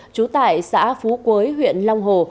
chú tại xã phú quế huyện long hồ